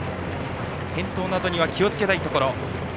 転倒などには気をつけたいところ。